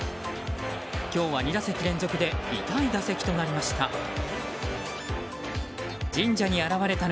今日は２打席連続で痛い打席となりました。